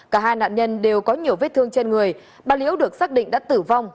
cả hai nạn nhân đều có nhiều vết thương trên người bà liễu được xác định đã tử vong